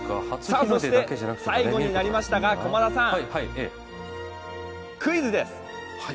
最後になりましたが、駒田さん、クイズです。